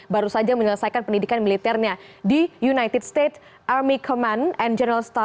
baru saja menyelesaikan pendidikan militernya di united states army command